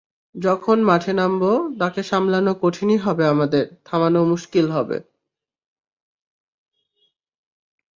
যখন মাঠে নামব, তাঁকে সামলানো কঠিনই হবে আমাদের, থামানো মুশকিল হবে।